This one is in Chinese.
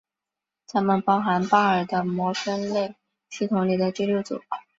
它们包含巴尔的摩分类系统里的第六组。